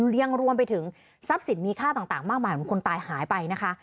ยังรวมไปถึงทรัพย์สินมีค่าต่างมากมายของคนตายหายไปนะคะ